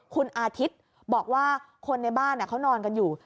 คุณอาทิตย์บอกว่าคนในบ้านเขานอนกันอยู่